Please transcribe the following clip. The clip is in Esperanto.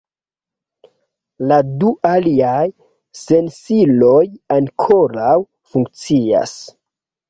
La du aliaj sensiloj ankoraŭ funkcias.